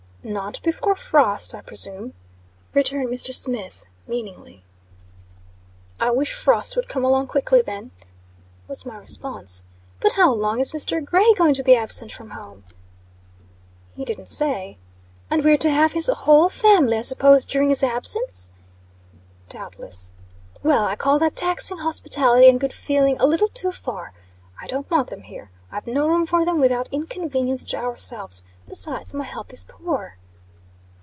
"Not before frost, I presume," returned Mr. Smith, meaningly. "I wish frost would come along quickly, then," was my response. "But how long is Mr. Gray going to be absent from home?" "He didn't say." "And we're to have his whole family, I suppose, during his absence." "Doubtless." "Well, I call that taxing hospitality and good feeling a little too far. I don't want them here! I've no room for them without inconvenience to ourselves. Besides, my help is poor."